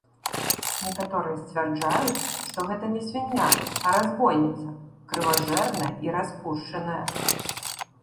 Некаторыя сцвярджаюць, што гэта не свіння, а разбойніца, крыважэрная і распушчаная.